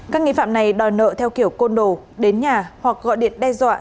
các nghi phạm này đòi nợ theo kiểu côn đồ đến nhà hoặc gọi điện đe dọa